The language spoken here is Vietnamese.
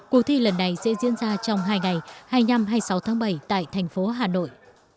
cuộc thi lần này sẽ diễn ra trong hai ngày hai mươi năm hai mươi sáu tháng bảy tại thành phố hà nội